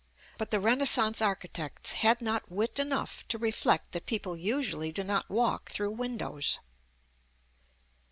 But the Renaissance architects had not wit enough to reflect that people usually do not walk through windows.